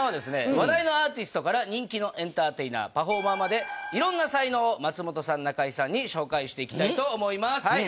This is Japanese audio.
話題のアーティストから人気のエンターテイナーパフォーマーまでいろんな才能を松本さん中居さんに紹介していきたいと思います。